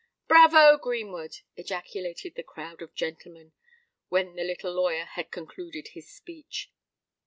"Brayvo, Greenwood!" ejaculated the crowd of "gentlemen," when the little lawyer had concluded his speech.